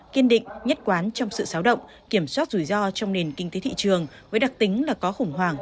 kiên định nhất quán trong sự xáo động kiểm soát rủi ro trong nền kinh tế thị trường với đặc tính là có khủng hoảng